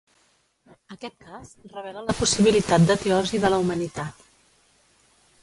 Aquest cas revela la possibilitat de teosi de la humanitat.